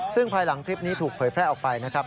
ซึ่งภายหลังคลิปนี้ถูกเผยแพร่ออกไปนะครับ